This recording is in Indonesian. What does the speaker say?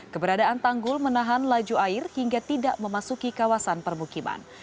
keberadaan tanggul menahan laju air hingga tidak memasuki kawasan permukiman